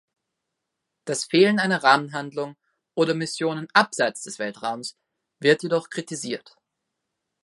Das Fehlen einer Rahmenhandlung oder Missionen abseits des Weltraums wird jedoch kritisiert.